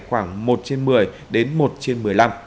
khoảng một trên một mươi đến một trên một mươi năm